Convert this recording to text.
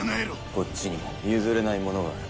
こっちにも譲れないものがある。